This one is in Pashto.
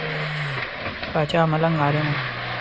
پاچا ملنګ عالم وو.